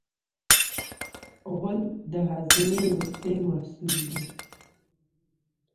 غول د هاضمې وروستی محصول دی.